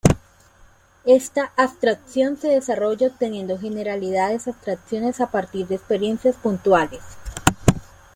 Esta abstracción se desarrolla obteniendo generalidades-abstracciones a partir de experiencias puntuales.